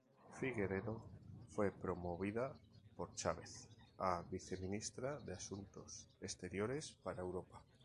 Figueredo fue promovida por Chávez a viceministra de Asuntos Exteriores para Europa.